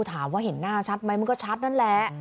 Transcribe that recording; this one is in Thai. ถามว่าเห็นหน้าชัดไหมมันก็ชัดนั่นแหละ